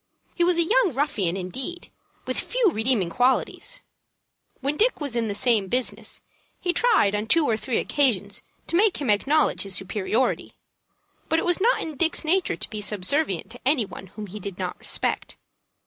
He was a young ruffian, indeed, with few redeeming qualities. When Dick was in the same business, he tried on two or three occasions to make him acknowledge his superiority; but it was not in Dick's nature to be subservient to any one whom he did not respect.